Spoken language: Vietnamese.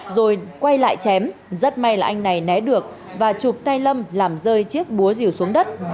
rồi quay lại chém rất may là anh này né được và chụp tay lâm làm rơi chiếc búa rìu xuống đất